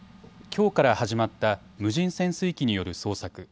きょうから始まった無人潜水機による捜索。